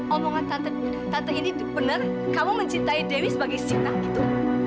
omongan tante ini benar kamu mencintai dewi sebagai sinar gitu